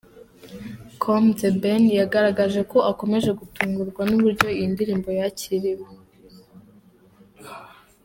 com, The Ben yagaragaje ko akomeje gutungurwa n’uburyo iyi ndirimbo yakiriwe.